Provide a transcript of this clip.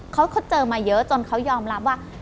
เขาเจอมาเยอะจนเขายอมรับว่า